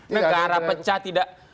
negara pecah tidak